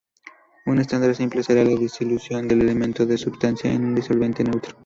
Un estándar simple será la dilución del elemento o substancia en un disolvente neutro.